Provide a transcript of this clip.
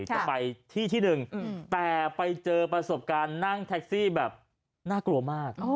จะไปที่ที่หนึ่งแต่ไปเจอประสบการณ์นั่งแท็กซี่แบบน่ากลัวมาก